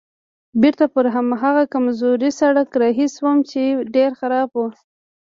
بېرته پر هماغه کمزوري سړک رهي شوم چې ډېر خراب و.